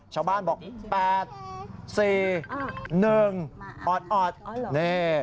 ชาวบ้านบอก๘๔๑ออดนี่